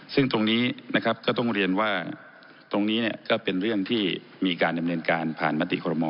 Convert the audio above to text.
ซึ่งตรงนี้นะครับก็ต้องเรียนว่าตรงนี้ก็เป็นเรื่องที่มีการดำเนินการผ่านมติขอรมอ